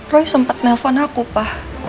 roy sempet nelfon aku pa